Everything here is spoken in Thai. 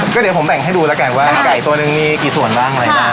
ก็เดี๋ยวผมแบ่งให้ดูแล้วกันว่าไก่ตัวนึงมีกี่ส่วนบ้างอะไรบ้าง